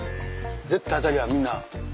絶対当たりやみんな。